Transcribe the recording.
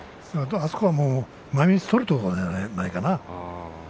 あそこは前みつを取るどころじゃないかな。